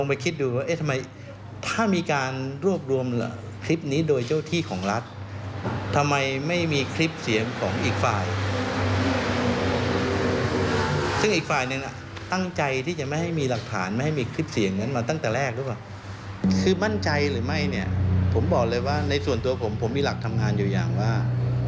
ผมบอกเลยว่าในส่วนตัวผมผมมีหลักทำงานอยู่อย่างว่า